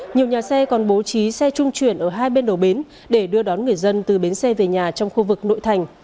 nhiều nhà xe còn bố trí xe trung chuyển ở hai bên đầu bến để đưa đón người dân từ bến xe về nhà trong khu vực nội thành